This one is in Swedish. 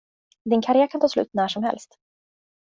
Din karriär kan ta slut när som helst.